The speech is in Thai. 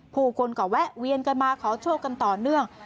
ผู้คนก็แวะเวียนกันมาขอโชคกันต่อเนื่อง